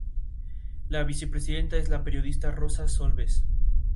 La vicepresidenta es la periodista Rosa Solbes.